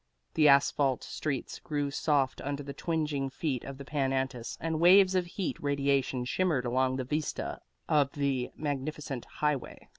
The asphalt streets grew soft under the twingeing feet of the Pan Antis, and waves of heat radiation shimmered along the vista of the magnificent highway.